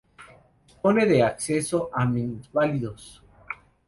Dispone de acceso a minusválidos.